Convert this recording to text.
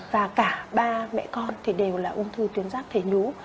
và cả ba mẹ con thì đều là ung thư tuyến ráp thể nhú